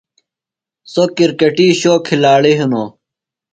سو کِرکٹی شو کِھلاڑیۡ ہنوۡ۔